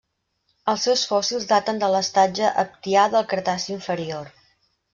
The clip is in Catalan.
Els seus fòssils daten de l'estatge Aptià del Cretaci inferior.